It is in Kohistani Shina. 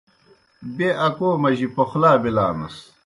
بیْہ اکو مجیْ پوخلا بِلانَس۔